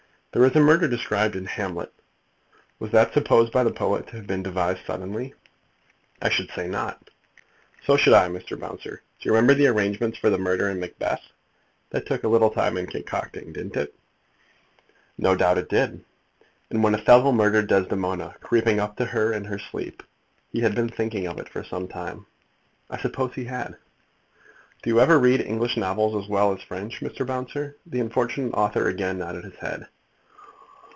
"There is a murder described in Hamlet. Was that supposed by the poet to have been devised suddenly?" "I should say not." "So should I, Mr. Bouncer. Do you remember the arrangements for the murder in Macbeth? That took a little time in concocting; didn't it?" "No doubt it did." "And when Othello murdered Desdemona, creeping up to her in her sleep, he had been thinking of it for some time?" "I suppose he had." "Do you ever read English novels as well as French, Mr. Bouncer?" The unfortunate author again nodded his head.